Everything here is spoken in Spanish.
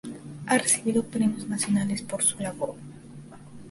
Ha recibido premios nacionales por su labor.